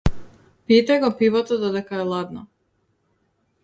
Пијте го пивото додека е ладно.